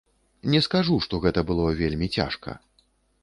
Не скажу, што гэта было вельмі цяжка.